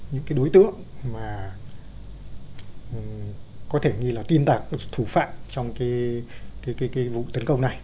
những cái đối tượng mà có thể nghĩ là tin tạc thủ phạm trong cái vụ tấn công này